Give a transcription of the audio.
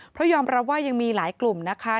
เพราะยอมรับว่ายังมีหลายกลุ่มนะคะ